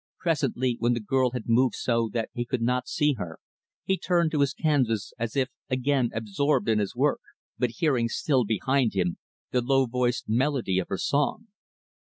Presently, when the girl had moved so that he could not see her, he turned to his canvas as if, again, absorbed in his work but hearing still, behind him, the low voiced melody of her song.